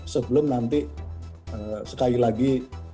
sebelum nanti sekali lagi